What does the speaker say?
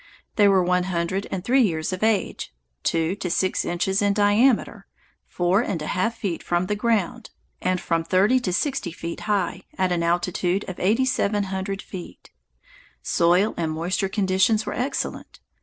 They were one hundred and three years of age, two to six inches in diameter, four and a half feet from the ground, and from thirty to sixty feet high, at an altitude of 8700 feet. Soil and moisture conditions were excellent.